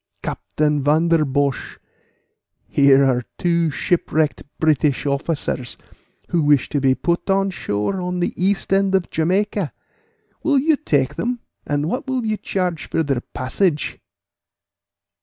Captain Vanderbosh, here are two shipwrecked British officers, who wish to be put on shore on the east end of Jamaica; will you take them, and what will you charge for their passage?"